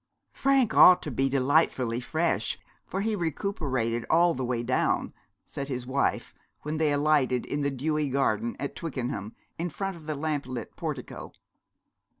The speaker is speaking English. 'Frank ought to be delightfully fresh, for he recuperated all the way down,' said his wife, when they alighted in the dewy garden at Twickenham, in front of the lamp lit portico.